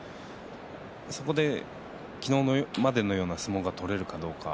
そこで昨日までのような相撲が取れるかどうか。